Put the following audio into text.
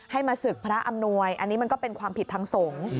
มาศึกพระอำนวยอันนี้มันก็เป็นความผิดทางสงฆ์